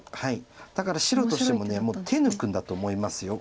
だから白としても手抜くんだと思います。